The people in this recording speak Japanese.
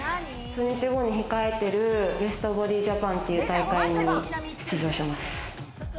数日後に控えてるベストボディ・ジャパンっていう大会に出場します。